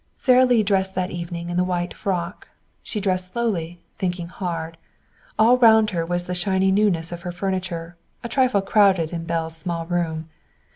Sara Lee dressed that evening in the white frock. She dressed slowly, thinking hard. All round her was the shiny newness of her furniture, a trifle crowded in Belle's small room.